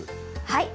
はい。